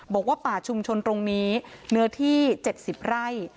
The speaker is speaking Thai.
บอกว่าป่าชุมชนตรงนี้เนื้อที่๗๐ไร่